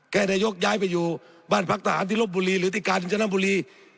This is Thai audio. แค่นายกย้ายไปอยู่บ้านพักทหารที่ลบบุรีหรือติกาญจนบุรี